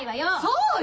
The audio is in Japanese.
そうよ！